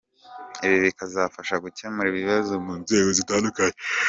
Ibi bikazafasha gukemura ibibazo mu nzego z’itandukanye.